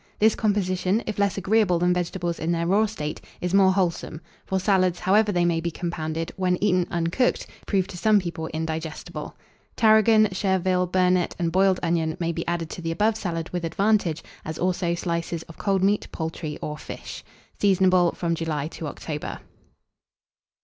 This composition, if less agreeable than vegetables in their raw state, is more wholesome; for salads, however they may be compounded, when eaten uncooked, prove to some people indigestible. Tarragon, chervil, burnet, and boiled onion, may be added to the above salad with advantage, as also slices of cold meat, poultry, or fish. Seasonable from July to October.